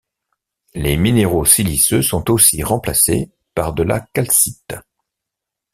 Les minéraux siliceux sont aussi remplacés par de la calcite.